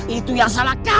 itu yang salah kamu